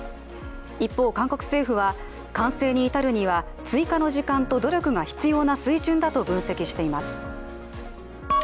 一方、韓国政府は、完成に至るには追加の時間と努力が必要な水準だと分析しています。